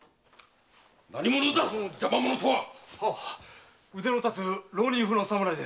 何者だその邪魔者とは⁉はっ腕の立つ浪人風の侍で。